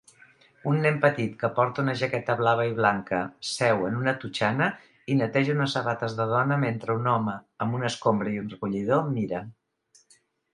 Un nen petit que porta una jaqueta blava i blanca seu en una totxana i neteja unes sabates de dona mentre un home amb una escombra i un recollidor mira